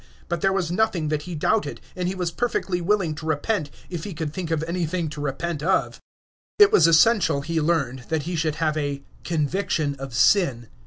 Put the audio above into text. But there was nothing that he doubted, and he was perfectly willing to repent if he could think of anything to repent of. It was essential he learned, that he should have a "conviction of sin."